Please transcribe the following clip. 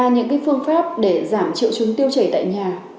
những phương pháp để giảm triệu chứng tiêu chảy tại nhà